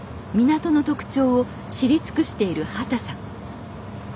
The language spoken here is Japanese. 港の特徴を知り尽くしている畑さん